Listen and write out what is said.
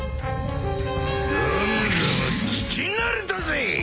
ゴムゴム聞き慣れたぜ！